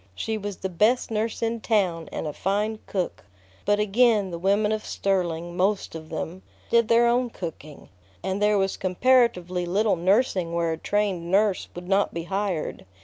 She was the best nurse in town and a fine cook. But again the women of Sterling, most of them, did their own cooking, and there was comparatively little nursing where a trained nurse would not be hired.